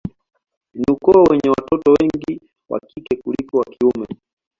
Ni ukoo wenye watoto wengi wa kike kuliko wa kiume